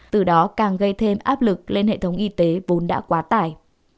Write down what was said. từ đó càng gây thêm áp lực lên hệ thống y tế vốn đã quá tải